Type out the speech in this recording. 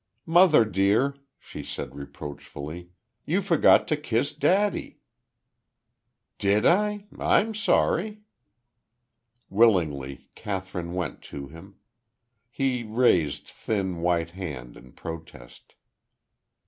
"Mother, dear," she said reproachfully. "You forgot to kiss daddy." "Did I? I'm sorry." Willingly Kathryn went to him. He raised thin, white hand in protest.